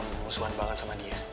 mengusuhan banget sama dia